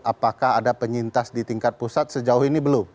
apakah ada penyintas di tingkat pusat sejauh ini belum